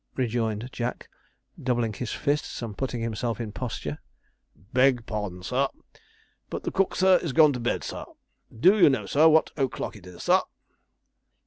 rejoined Jack, doubling his fists and putting himself in posture. 'Beg pardon, sir,' replied Spigot, 'but the cook, sir, is gone to bed, sir. Do you know, sir, what o'clock it is, sir?'